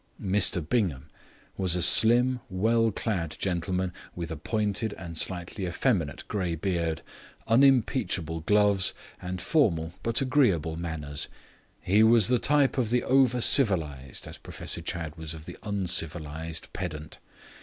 Mr Bingham was a slim, well clad gentleman with a pointed and slightly effeminate grey beard, unimpeachable gloves, and formal but agreeable manners. He was the type of the over civilized, as Professor Chadd was of the uncivilized pedant.